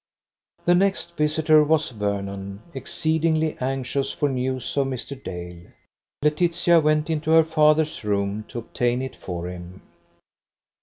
The next visitor was Vernon, exceedingly anxious for news of Mr. Dale. Laetitia went into her father's room to obtain it for him.